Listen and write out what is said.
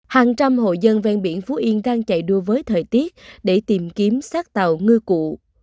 hàng trăm hộ dân ven biển phú yên đang chạy đua với thời tiết để tìm kiếm sát tàu ngư cụ